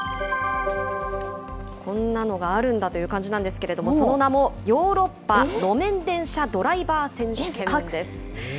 こんなのがあるんだという感じなんですけれども、その名も、ヨーロッパ路面電車ドライバー選手権です。